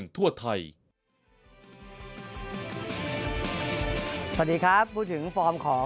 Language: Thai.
สวัสดีครับพูดถึงฟอร์มของ